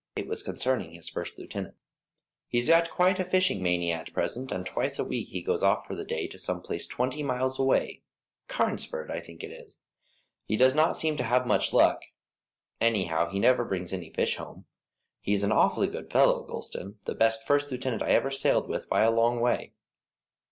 It was concerning his first lieutenant. "He's got quite a fishing mania at present, and twice a week he goes off for the day to some place twenty miles away Carnesford, I think it is. He does not seem to have much luck; anyhow, he never brings any fish home. He is an awfully good fellow, Gulston; the best first lieutenant I ever sailed with by a long way."